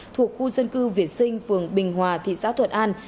thuộc khu dân cư việt sinh phường bình hòa thị xã thuận an